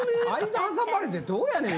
間挟まれてどうやねん！？